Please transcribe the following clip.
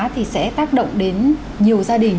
thì sẽ tác động đến nhiều gia đình